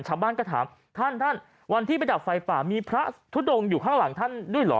ชาวบ้านก็ถามท่านท่านวันที่ไปดับไฟป่ามีพระทุดงอยู่ข้างหลังท่านด้วยเหรอ